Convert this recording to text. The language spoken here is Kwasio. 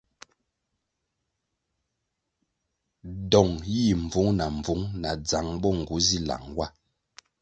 Dong yih mbvung na mbvung na dzang bo nğu si lang wa.